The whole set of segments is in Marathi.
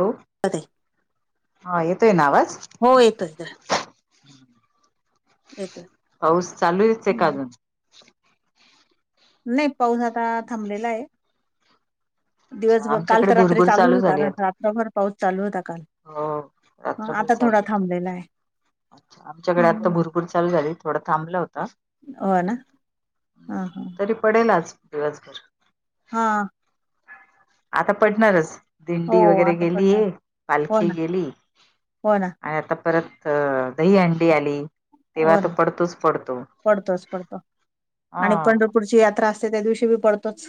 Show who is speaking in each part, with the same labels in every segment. Speaker 1: लो.
Speaker 2: हो
Speaker 1: हा, येतोय ना आवाज?
Speaker 2: येतोय येतोय
Speaker 1: पाऊस चालूचये का अजून?
Speaker 2: नाई, पाऊस आता थांबलेलाय.
Speaker 1: अच्छा
Speaker 2: दिवसभर. काल
Speaker 1: आमच्याकडे
Speaker 2: तर रात्री
Speaker 1: भुरभूर
Speaker 2: चालूच
Speaker 1: चालू
Speaker 2: होता,
Speaker 1: झाली आता
Speaker 2: रात्रभर पाऊस चालू होता काल.
Speaker 1: हो
Speaker 2: हं..
Speaker 1: रात्रभर
Speaker 2: आता
Speaker 1: चालू
Speaker 2: थोडा
Speaker 1: होती.
Speaker 2: थांबलेला आहे.
Speaker 1: अच्छा आमच्याकडे आत्ता भरपूर चालू झाली, थोडा थांबला होता.
Speaker 2: हो, ना. हा.. हा.
Speaker 1: तरी पडेल, आज दिवसभर.
Speaker 2: हा.
Speaker 1: आता पडणारच.
Speaker 2: हो
Speaker 1: दिंडी वगैरे
Speaker 2: आता
Speaker 1: गेलीये,
Speaker 2: पडणार हो
Speaker 1: पालखी
Speaker 2: ना
Speaker 1: गेली.
Speaker 2: हो ना
Speaker 1: आणि आता परत, अ.. दही अंडी आली. तेव्हा
Speaker 2: हो
Speaker 1: तर
Speaker 2: ना
Speaker 1: पडतोच पडतो. अ
Speaker 2: पुढची यात्रा असते, त्या दिवशी बी पडतोच.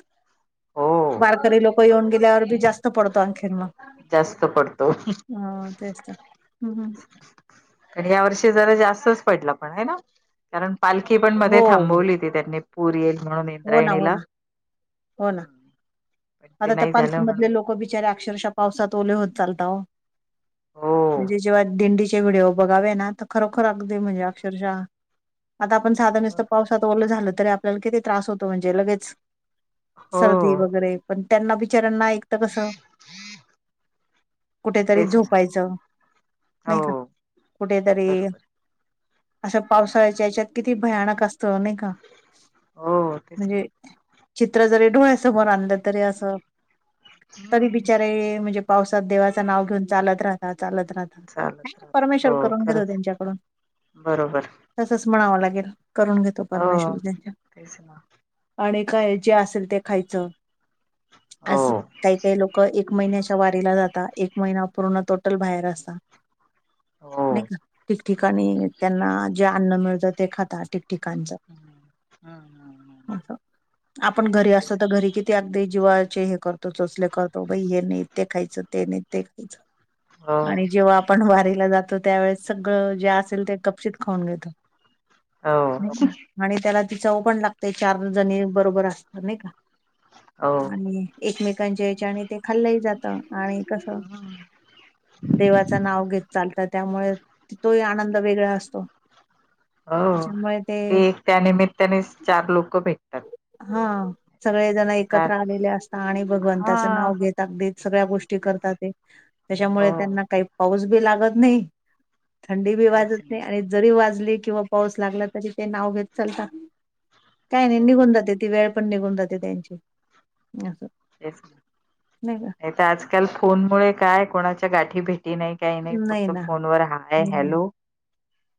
Speaker 1: हो
Speaker 2: वारकरी लोक, येऊन गेल्यावर बी जास्त पडतो आणखीण मग.
Speaker 1: जास्त पडतो
Speaker 2: हा, तेच तर. हम्म्.. हम्.
Speaker 1: तरी या वर्षी जरा जास्तच पडला, पण हे ना. कारण पालखी पण मध्ये
Speaker 2: हो
Speaker 1: थांबवली होती त्यांनी. पूर येईल म्हणून,
Speaker 2: हो ना हो
Speaker 1: इंद्रायणीला.
Speaker 2: ना हो ना
Speaker 1: ह्ं.
Speaker 2: आता त्या पालखीमधले, लोकं बिचारे अक्षरशः, पावसात ओले होत चालतात ओ.
Speaker 1: हो
Speaker 2: म्हणजे जेव्हा दिंडीचे ते व्हिडिओ बघावे नां, तर खरोखर अगदी म्हणजे अक्षरशः आता आपण साधं नुसतं पावसात ओलं झालं, तरी आपल्याला किती त्रास होतो. म्हणजे लगेच सर्दी
Speaker 1: हो
Speaker 2: वगैरे. पण त्यांना, बिचऱ्यांना ऐक तर कसं कुठेतरी
Speaker 1: तेच ना
Speaker 2: झोपायचं, नाही का,
Speaker 1: हो
Speaker 2: कुठेतरी
Speaker 1: बरोबर
Speaker 2: अशा पावसाळ्याच्या ह्याच्यात, किती भयानक असतं. नाही का?
Speaker 1: हो. तेच ना
Speaker 2: म्हणजे चित्र जरी डोळ्यासमोर आणलं, तरी असं तरी
Speaker 1: हम्म
Speaker 2: बिचारे म्हणजे पावसात देवाचं नाव घेऊन चालत राहतात, चालत राहतात.
Speaker 1: चालत
Speaker 2: नाही
Speaker 1: राहतात
Speaker 2: परमेश्वर
Speaker 1: हो
Speaker 2: करून घेतो,
Speaker 1: खरंच
Speaker 2: त्यांच्याकडून.
Speaker 1: बरोबर.
Speaker 2: तसंच म्हणावं लागेल. करून घेतो
Speaker 1: हो
Speaker 2: परमेश्वर त्यांचा
Speaker 1: तेच ना.
Speaker 2: आणि काय जे असेल ते खायचं.
Speaker 1: हो
Speaker 2: असं काही-काही लोकं, एक महिन्याच्या वारीला जातात. एक महीना, पूर्णपणे बाहेर असतात.
Speaker 1: हो
Speaker 2: नाही का ठिक ठिकाणी त्यांना जे अन्न मिळत जातं, ते खातात ठिकठिकाणचं.
Speaker 1: हम्. हा.. हा.. हा.
Speaker 2: असं. आपण घरी असतो, तर घरी किती ते अगदी जीवाचे हे करतो, चोचले करतो. बाई हे नाही ते खायचं, ते नाही ते खायचं.
Speaker 1: हो
Speaker 2: आणि जेव्हा आपण वारीला जातो त्यावेळेस सगळं जे असेल ते, गपचित खाऊन घेतो.
Speaker 1: हो
Speaker 2: म्हणे त्याला ती चव पण लागतेय. चार जणी, बरोबर असतात. नाही का?
Speaker 1: हो
Speaker 2: आणि एकमेकांच्या हेच्याने, ते खाल्लंही जातं. त आणि कसं?
Speaker 1: हम्म.
Speaker 2: देवाचं नाव घेत चालतात त्यामुळे, त-तोही आनंद वेगळा असतो.
Speaker 1: हो.. ते एक त्या निमित्यानेच, चार लोक भेटतात.
Speaker 2: हा. सगळेजण
Speaker 1: नाही
Speaker 2: एकत्र
Speaker 1: तर
Speaker 2: आलेले असतात आणि भगवनताचं
Speaker 1: हा
Speaker 2: नाव घेत, अगदी सगळ्या गोष्टी
Speaker 1: तेच
Speaker 2: करतात ते.
Speaker 1: हो
Speaker 2: त्याच्यामुळे त्यांना काही पाऊस बी लागत नाही, थंडी बी वाजत नाही आणि जरी वाजली किंवा पाऊस लागला तरी ते नाव घेत चालता काय नाही
Speaker 1: हो
Speaker 2: निघून जाते ती वेळ पण निघून जाते त्यांची असं
Speaker 1: तेच ना
Speaker 2: नाही का
Speaker 1: नाहीतर आजकाल फोनमुळे काय कोणाच्या गाठी भेटी नाहीत काही नाही फक्त फोन वर हाय
Speaker 2: हम्म.
Speaker 1: हॅलो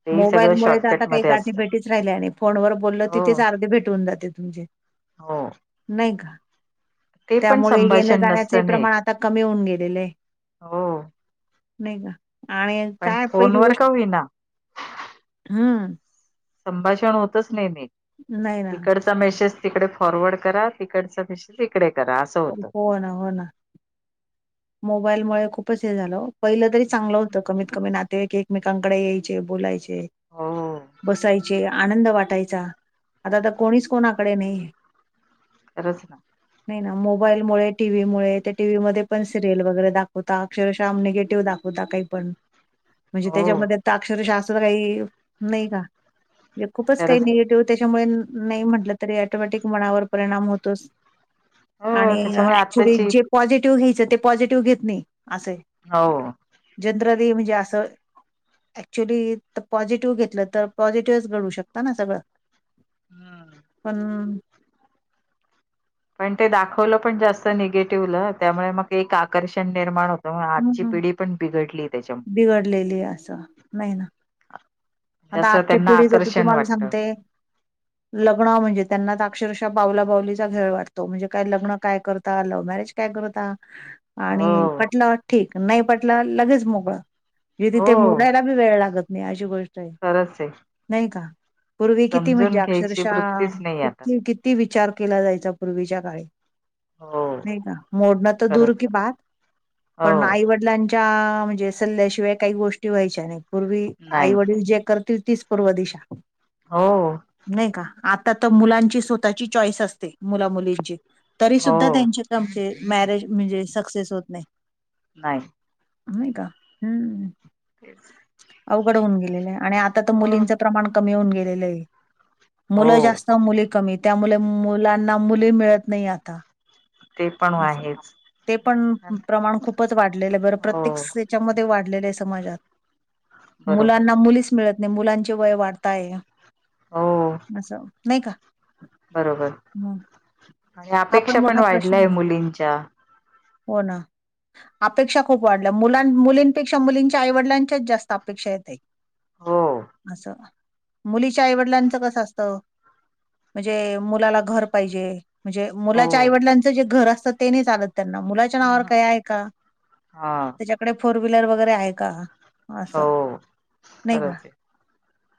Speaker 1: तेही सगळं
Speaker 2: मोबाईलमुळे तर आता
Speaker 1: शॉर्टकट
Speaker 2: काही
Speaker 1: मध्ये
Speaker 2: गाठी
Speaker 1: असतं.
Speaker 2: भेटीच राहिल्या आणि फोनवर बोललं
Speaker 1: हो
Speaker 2: तिथेच अर्धे भेट होऊन जाते तुमची
Speaker 1: हो
Speaker 2: नाही का
Speaker 1: ते पण
Speaker 2: त्यामुळे येण्या
Speaker 1: संभाषण
Speaker 2: जाण्याचे
Speaker 1: नसतं नीट
Speaker 2: प्रमाण आता कमी होऊन गेलेले आहे
Speaker 1: हो
Speaker 2: नाही का आणि
Speaker 1: पण
Speaker 2: काय पहिली
Speaker 1: फोनवर का
Speaker 2: गोष्ट
Speaker 1: होईना
Speaker 2: हम्म
Speaker 1: संभाषण होतच नाही
Speaker 2: नाही
Speaker 1: नीट
Speaker 2: ना
Speaker 1: इकडचा मेसेज तिकडे फॉरवर्ड करा तिकडचा मेसेज इकडे करा असं होतं
Speaker 2: हो ना हो ना मोबाईलमुळे खूपच हे झालं हो पहिलं तरी चांगलं
Speaker 1: हं.
Speaker 2: होतं कमीत कमी नातेवाईक एक मेकांकडे यायचे बोलायचे
Speaker 1: हो
Speaker 2: बसायचे आनंद वाटायचा आता तर कोणीच कोणाकडे नाही येत
Speaker 1: रचना
Speaker 2: नाही ना मोबाईलमुळे, टीव्हीमुळे त्या टीव्ही मध्ये पण सिरियल वगैरे दाखवता, अक्षरशः निगेटिव्ह दाखवता काही पण म्हणजे
Speaker 1: हो
Speaker 2: त्याच्यामध्ये आता अक्षरशास्त्र काही नाही का एक खूपच काही
Speaker 1: खरंच ना
Speaker 2: निगेटिव्ह त्याच्यामुळे नाही म्हटलं, तरी ऑटोमॅटिक मनावर परिणाम होतोच.
Speaker 1: हो
Speaker 2: आणि
Speaker 1: त्याच्यामुळे
Speaker 2: ऍक्च्युली
Speaker 1: आत्ताची
Speaker 2: जे पॉझिटिव्ह घ्यायचं, ते पॉझिटिव्ह घेत नाही अस आहे.
Speaker 1: हो
Speaker 2: जनरली म्हणजे असं, ऍक्च्युली त पॉझिटिव्ह घेतलं तर, पॉझिटिव्हच घडवू शकता ना सगळं.
Speaker 1: हम्म
Speaker 2: पण
Speaker 1: पण ते दाखवलं पण जास्त निगेटिव्हल, त्यामुळे मग एक आकर्षण निर्माण होतं. त्यामुळं आजची
Speaker 2: हम्म
Speaker 1: पिढी पण बिघडलीये त्यांच्यामुळे.
Speaker 2: बिघडलेली आहे असं नाही ना आता आजच्या पिढीच तर तुम्हांला
Speaker 1: वाटतं
Speaker 2: सांगते लग्न म्हणजे त्यांना तर, अक्षरशः बावला-बावलीचा खेळ वाटतो. म्हणजे काय लग्न काय करता, लव्ह मॅरेज काय करता.
Speaker 1: [inaudible]
Speaker 2: आणि पटलं ठीक, नाही पटलं लगेच मोकळं. जे
Speaker 1: हो
Speaker 2: तिथे मोडायला बी वेळ लागत नाही अशी गोष्ट आहे
Speaker 1: खरंच आहे.
Speaker 2: नाही का, पूर्वी किती म्हणजे
Speaker 1: समजून घ्यायची
Speaker 2: अक्षरशः
Speaker 1: वृत्तीच नाही आता
Speaker 2: किती कि ती विचार केला जायचा पूर्वीच्या काळी.
Speaker 1: हो
Speaker 2: नाही ना मोडणं तर दूर
Speaker 1: खरंच
Speaker 2: की बात
Speaker 1: हो
Speaker 2: पण आईवड डलांच्या म्हणजे सल्ल्याशिवाय काही गोष्टी व्हायंच्या नाहीत पूर्वी आई
Speaker 1: नाही
Speaker 2: -वडील, जे करतील तीच 'पूर्व दिशा'.
Speaker 1: हो..
Speaker 2: नाही का, आता त मुलांची स्वतःची चॉईस असते मुला- मुलींची. तरी
Speaker 1: हो
Speaker 2: सुुद्धा त्यांच्यातले आमचे मॅरेज म्हणजे सक्सेस होत नाहीत.
Speaker 1: नाही.
Speaker 2: नाही का, हूं
Speaker 1: तेच
Speaker 2: अवघड होऊन गेलेले आहे. आणि आ आता तर
Speaker 1: हो
Speaker 2: मुलीचं प्रमाण कमी होऊन गेलेलं आहे.
Speaker 1: हो
Speaker 2: मुलं जास्त, मुली कमी त्यामुळे मुलांना मुली मिळत नाही आता
Speaker 1: ते पण
Speaker 2: अस हा
Speaker 1: आहेच
Speaker 2: ते पण प्रमाण खूपच वाढलेलं आहे, बरं
Speaker 1: हो
Speaker 2: प्रत्येक से- च्यामध्ये वाढलेले समाजात
Speaker 1: बरोबर
Speaker 2: मुलांना मुलीच मिळतं नाही मुलांचे वय वाढताय आहे आ,
Speaker 1: हो
Speaker 2: असं नाही का?
Speaker 1: बरोबर
Speaker 2: हं.
Speaker 1: आणि
Speaker 2: हा
Speaker 1: अपेक्षा पण
Speaker 2: मोठा प्रश्न
Speaker 1: वाढल्याय
Speaker 2: आहे
Speaker 1: मुलींच्या.
Speaker 2: हो ना अपेक्षा खूप वाढल्या मुलां, मुलींपेक्षा, मुलींच्या आईवडिलांच्याच जास्त अपेक्षा आहे ताई.
Speaker 1: हो
Speaker 2: असं ना. मुलीच्या आईवडिलांचं कसं असतं? म्हणजे मुलाला घर पाहिजे. म्हणजे
Speaker 1: हो
Speaker 2: मुलाच्या आईवडलांचं जे घर असतं, ते नाही चालत. त्यांना मुलाच्या नावावर काही आहे का,
Speaker 1: हा
Speaker 2: त्याच्याकडे फोर व्हीलर वगैरे आहे का?
Speaker 1: हो
Speaker 2: असं नाही का
Speaker 1: खरंच ये.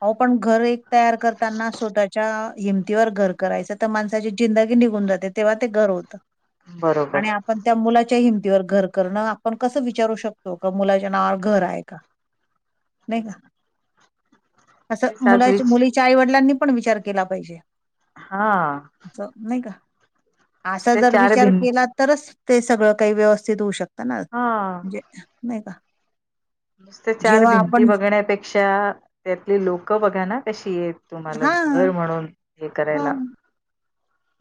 Speaker 2: अहो पण घर एक तयार करताना स्वतःच्या हिम- तीवर घर करायचं, तर माणसाची जिंदगी निघून जाते तेव्हा ते घर होतं.
Speaker 1: बरोबर.
Speaker 2: पण त्या मुलाच्या हिमतीवर घर करणं आपण कसं विचारू शकतो का मुलाच्या नावावर घर आहे का? नाही का
Speaker 1: तेचना.
Speaker 2: असं मुलाच् मुलीच्या आईवडिलांनी पण विचार केला पाहिजे.
Speaker 1: हा.
Speaker 2: ज नाही का? असा
Speaker 1: नुसते
Speaker 2: जर
Speaker 1: चार
Speaker 2: विचार- -
Speaker 1: भिंत
Speaker 2: तरच ते सगळं काही व्यवस्थित होऊ शकतं ना
Speaker 1: हा
Speaker 2: म्हणजे नाही का
Speaker 1: नुसत्या चार
Speaker 2: जेव्हा
Speaker 1: भिंती
Speaker 2: आपण
Speaker 1: बघण्यापेक्षा त्यातली लोकं बघा ना कशीयेत. तुम्हाला
Speaker 2: हा
Speaker 1: घर म्हणून हे
Speaker 2: हा
Speaker 1: करायला - -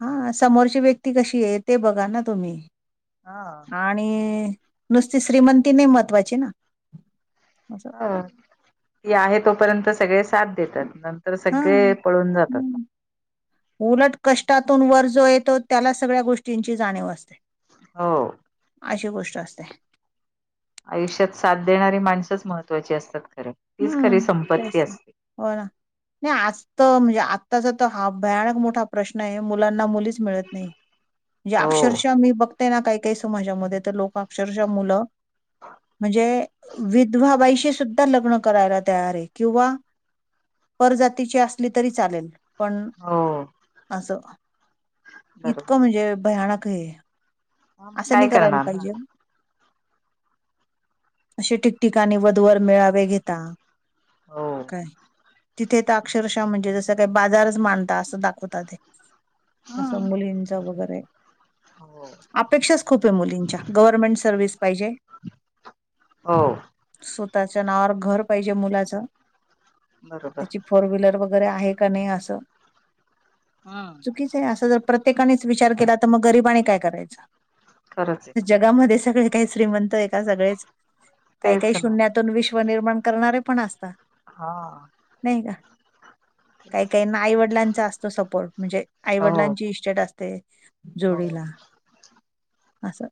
Speaker 2: हा समोरची व्यक्ती कशी आहे. ते बघा ना तुम्ही.
Speaker 1: हा.
Speaker 2: आणि नुसती श्रीमंती नई महत्वाची ना? असं
Speaker 1: हा ती आहे. तोपर्यंत सगळे साथ देतात नंतर
Speaker 2: हा
Speaker 1: सगळे पळून जातात.
Speaker 2: हम्म. उलट कष्टातून वर जो येतो त्याला सगळ्या गोष्टींची जाणीव असते.
Speaker 1: हो.
Speaker 2: अशी गोष्ट असते.
Speaker 1: आयुष्यात साथ देणारी माणसंच महत्त्वाची असतात खरं तीच खरी
Speaker 2: हम्म
Speaker 1: संपत्ती
Speaker 2: तेच ना?
Speaker 1: असते
Speaker 2: हो ना नाई आज त म्हणजे आत्ताचा त हा भयानक मोठा प्रश्न आहे मुलांना मुलीच- - मिळत नाही. म्हणजे
Speaker 1: हो
Speaker 2: अक्षरशा मी बघ- - ते ना काई काई समाजामध्ये तर लोक अक्षरशः मुलं म्हणजे- - विधवा बाईशी सुद्धा लग्न- - करायला तयार आहे किंवा परजातीची असली तरी चालेल. पण
Speaker 1: हो
Speaker 2: असं
Speaker 1: बरोबर
Speaker 2: इतकं म्हणजे भयानक हे- -
Speaker 1: ह मग
Speaker 2: असं नी
Speaker 1: काय
Speaker 2: करायल
Speaker 1: करणार
Speaker 2: पायजे ना? अशे ठिकठिकाणी वध वर मेळावे घेता.
Speaker 1: हो
Speaker 2: काय- - तिथे त अक्षरशः म्हणजे जसं काय बाजारच मांडता असं दाखवता ते. असं मुलींच वैगेरे
Speaker 1: हावो
Speaker 2: अपेक्षाच खूप हे मुलींच्या गव्हर्मेंट सर्विस पायजे.
Speaker 1: हो
Speaker 2: सो- त्याच्या नावावर घर पायजे मुलाचं
Speaker 1: बरोबर
Speaker 2: त्याची फोर व्हिलर बघ वगैरे आहे का नई असं. चुकीच्- - ते असं जर प्रत्येकानेच विचार केला त मग गरिबाने काय करायचं?
Speaker 1: खरंच. आहे
Speaker 2: जगामध्ये सगळे काई श्रीमंत आहे का सगळेच - - काई काई
Speaker 1: तेच ना
Speaker 2: शून्यातून विश्व निर्माण करणारे पण असतात.
Speaker 1: हां.
Speaker 2: नाई का? काईकाईंना आईवडिलांचा असतो सपोर्ट. म्हणजे
Speaker 1: हो
Speaker 2: आईवडिलांची इस्टेट असते.
Speaker 1: हो -
Speaker 2: जोडीला असं.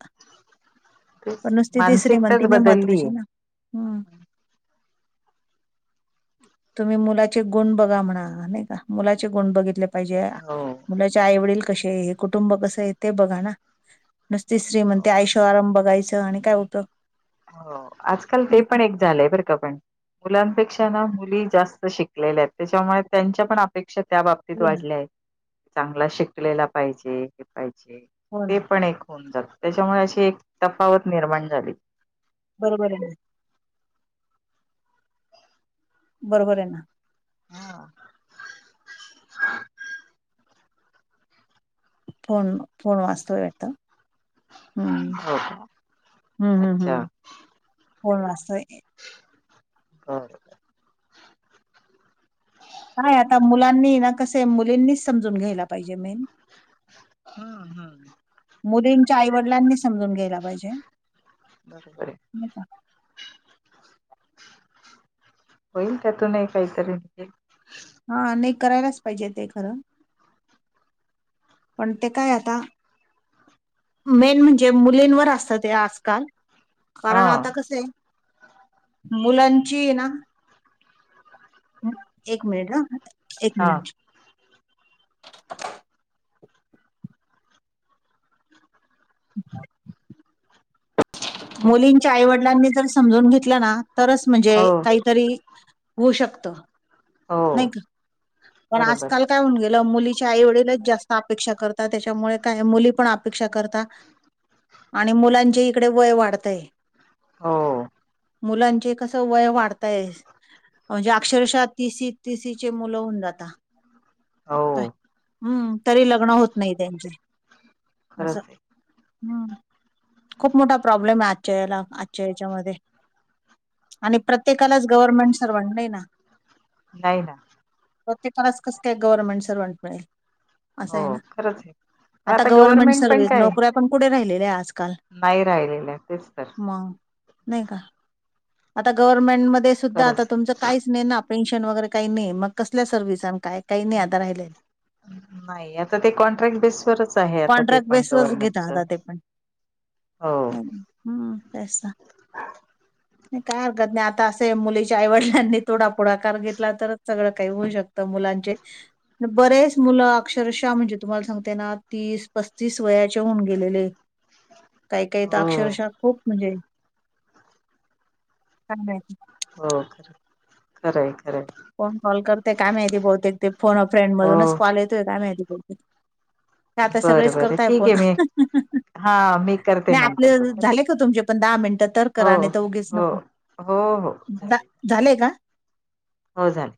Speaker 1: तेच
Speaker 2: पण नुसती तो श्रीमंती
Speaker 1: मानसिकताच
Speaker 2: नाही
Speaker 1: बदललीय
Speaker 2: महत्वाची ना. हम्. तुम्ही मुलाचे गुण बघा म्हणा नाही का मुलाचे गुण बघितले पाहिजे
Speaker 1: हो हो
Speaker 2: मुलाचे आईवडील कशे हे कुटुंब कस आहे. ते बघा ना? नुसती श्रीमंती आयशो -आराम बघायचं आणि काय उपयोग?
Speaker 1: हो आजकाल ते
Speaker 2: नाही
Speaker 1: पण एक झालंय बरं का पण मुलांपेक्षा ना मुली जास्त शिकलेल्या आहेत त्याच्यामुळे त्यांच्या पण अपेक्षा त्या बाब अपेक्षा
Speaker 2: हो ना
Speaker 1: वाढलंय चांगला शिकलेला पाहिजे हे पाहिजे
Speaker 2: हो
Speaker 1: ते
Speaker 2: ना
Speaker 1: पण एक होऊन जात त्यांच्यामुळे अशी एक तफावत निर्माण झाली.
Speaker 2: बरोबर आहे बरोबर आहे.
Speaker 1: हम [inaudible]
Speaker 2: फोन फोन वाजतो आता, हम्म,
Speaker 1: का
Speaker 2: हम्म हम्म
Speaker 1: अच्छा
Speaker 2: हम्म फोन वाजतोय की.
Speaker 1: हा.
Speaker 2: काय आता मुलांनी ना कसे मुलींनीच समजून घ्यायला पाहिजे मेन
Speaker 1: हा हा.
Speaker 2: मुलींच्या आई वडिलांनी समजून घ्यायला पाहिजे.
Speaker 1: बरोबर आहे.
Speaker 2: नाही का.
Speaker 1: होईल त्यातूनही काहीतरी निल
Speaker 2: हा नाही करायलाच पाहिजे ते खरं, पण ते काय आता. मेन म्हणजे मुलींवर असत ते आजकाल
Speaker 1: हा
Speaker 2: कारण आता कसं आहे मुलांची हे ना एक मिनिट ह एक
Speaker 1: हा
Speaker 2: मिनिट. [unintelligible] मुलींच्या आईवडिलांनी जर समजून घेतलं ना तरच म्हणजे
Speaker 1: हो
Speaker 2: काहीतरी, होऊ शकत
Speaker 1: हो
Speaker 2: नाही का, पण
Speaker 1: बरोबर
Speaker 2: आजकाल काय होऊन गेलं मुलीच्या आई वडीलच जास्त अपेक्षा करतात त्याच्यामुळे काय मुली पण अपेक्षा करतात. आणि मुलांचे इकडे वय वाढतंय.
Speaker 1: हो.
Speaker 2: मुलांचे कस वय वाढताय म्हणजे अक्षरशः तीस. तिसीचे मुलं होऊन जातात.
Speaker 1: हाव,
Speaker 2: हम्म तरी लग्न होत नाही त्यांचं असं
Speaker 1: खरंच आहे
Speaker 2: हम्म खूप मोठा प्रॉब्लेम आहे आजच्या याला आजच्या याच्यामध्येध्ये आणि प्रत्येकालाच गव्हर्नमेंट सर्वंट नाही ना
Speaker 1: नाही ना.
Speaker 2: प्रत्येकाला स कस काय गव्हर्नमेंट सर्व्हंट मिळेल. असं आहे ना
Speaker 1: हो खरंच आहे पण
Speaker 2: आता गव्हर्मेंट
Speaker 1: पण
Speaker 2: सर्विस
Speaker 1: काय
Speaker 2: नोकऱ्या पण पुढे राहिलेल्या आजकाल.
Speaker 1: नाही राहिलेलं तेच तर.
Speaker 2: मग नाही का आता गव्हर्मेंटमध्ये सुद्धा आता
Speaker 1: खरंच
Speaker 2: तुमच काहीच नाही ना पेन्शन वगैरे काही नाही मग कसल्या सर्व्हिस काय काही नाही आता राहिला.
Speaker 1: नाही आता ते कॉन्ट्रॅक्ट बेसवरच आहे आता ते
Speaker 2: कॉन्ट्रॅक्ट
Speaker 1: पण
Speaker 2: बेसवरच घेता आता
Speaker 1: गव्हर्नमेंटच.
Speaker 2: ते पण
Speaker 1: हो.
Speaker 2: नाही का? हम्म तेच. काय हरकत नाही आता असं मुलीच्या आईवडलांनी तोडा पुढाकार घेतला तरच सगळं काही होऊ शकतं. त मुलांचे. बरेच मुलं अक्षरशः म्हणजे तुम्हाला सांगते ना तीस पस्तीस वयाचे होऊन गेलेले.
Speaker 1: हा.
Speaker 2: काही काही तर अक्षरशः खूप म्हणजे. [unintelligible]
Speaker 1: हो खर खरंय खरंय.
Speaker 2: कोन कॉल करते काय माहिती बहुतेक ते फोन अ फ्रेंड मधूनच
Speaker 1: हो
Speaker 2: कॉल येतोय का माहिती बहुतेक. ते आता
Speaker 1: बरं
Speaker 2: सगळेच
Speaker 1: बरं
Speaker 2: करताय
Speaker 1: ठीक
Speaker 2: फोन
Speaker 1: आहे मी हा मी करते
Speaker 2: नाही आपले
Speaker 1: नंतर तुम्हाला
Speaker 2: झाले का तुमचे? पण दहा मिनिटं तर करा
Speaker 1: हो
Speaker 2: नाहीतर उगीच
Speaker 1: हो
Speaker 2: नको
Speaker 1: हो हो
Speaker 2: झा
Speaker 1: झाले
Speaker 2: झालेय का?
Speaker 1: हो झाले.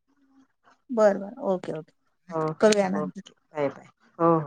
Speaker 2: बरं बरं ओके ओके.
Speaker 1: हो.
Speaker 2: करूयानंतर.
Speaker 1: ओके बाय बाय हो हो